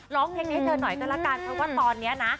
ร้องเทคให้เธอน่อยก็ละกันคือว่าตอนนี้นะ